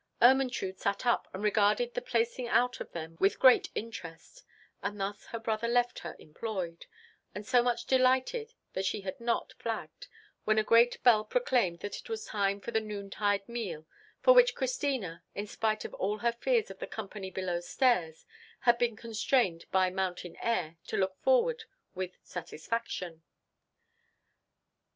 Ermentrude sat up, and regarded the placing out of them with great interest; and thus her brother left her employed, and so much delighted that she had not flagged, when a great bell proclaimed that it was the time for the noontide meal, for which Christina, in spite of all her fears of the company below stairs, had been constrained by mountain air to look forward with satisfaction.